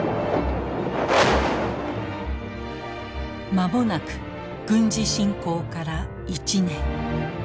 間もなく軍事侵攻から１年。